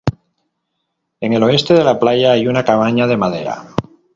En el oeste de la playa hay una cabaña de madera.